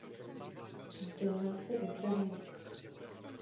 Přestěhoval se do Prahy.